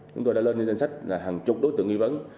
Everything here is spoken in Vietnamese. chúng tôi đã lên lên danh sách là hàng chục đối tượng nghi vấn